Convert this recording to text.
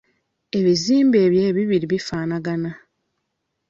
Ebizimbe ebyo ebibiri bifaanagana.